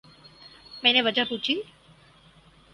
میں نے وجہ پوچھی۔